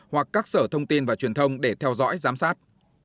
hoặc các sở thông tin và truyền thông để theo dõi giám sát